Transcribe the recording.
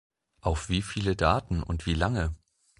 Auf wie viele Daten und wie lange?